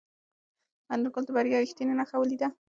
انارګل د بریا رښتینې نښه ولیده.